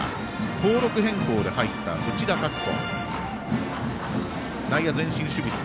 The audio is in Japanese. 登録変更で入った内田タクト。